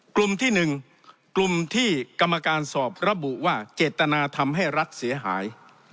กลุ่มที่๑กลุ่มที่กรรมการสอบระบุว่าเจตนาทำให้รัฐเสียหาย